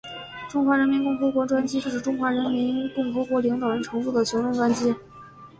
中华人民共和国专机是指中华人民共和国领导人乘坐的行政专机。